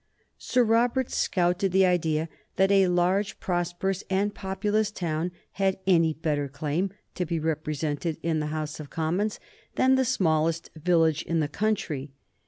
Sir Robert scouted the idea that a large, prosperous, and populous town had any better claim to be represented in the House of Commons than the smallest village in the country.